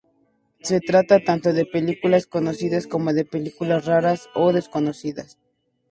Se trata tanto de películas conocidas como de películas raras o desconocidas.